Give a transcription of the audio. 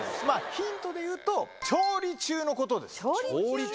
ヒントでいうと、調理中のこ調理中？